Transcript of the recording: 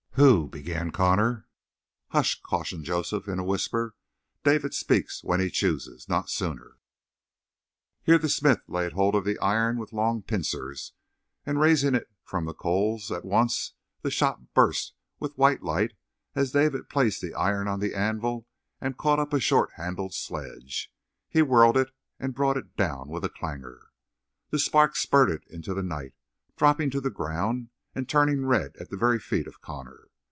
"Who " began Connor. "Hush," cautioned Joseph in a whisper. "David speaks when he chooses not sooner." Here the smith laid hold on the iron with long pincers, and, raising it from the coals, at once the shop burst with white light as David placed the iron on the anvil and caught up a short handled sledge. He whirled it and brought it down with a clangor. The sparks spurted into the night, dropping to the ground and turning red at the very feet of Connor.